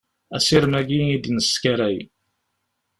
Asirem-agi i d-neskaray.